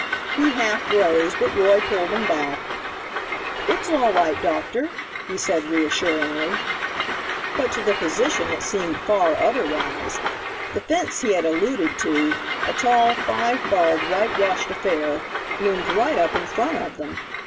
He half rose, but Roy pulled him back. "It's all right, doctor," he said reassuringly. But to the physician it seemed far otherwise. The fence he had alluded to, a tall, five barred, white washed affair, loomed right up in front of them.